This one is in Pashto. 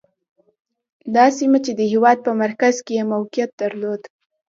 دا سیمه چې د هېواد په مرکز کې یې موقعیت درلود.